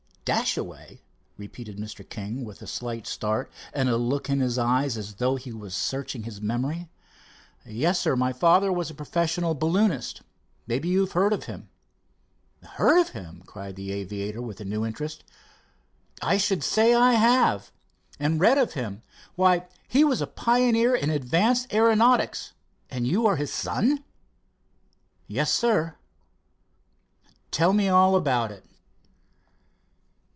"Dashaway?" repeated Mr. King, with a slight start and a look in his eyes as though he was searching his memory. "Yes, sir, my father was a professional balloonist. Maybe you have heard of him." "Heard of him!" cried the aviator, with new interest. "I should say I have. And read of him. Why, he was a pioneer in advanced aeronautics. And you are his son?" "Yes, sir." "Tell me all about it."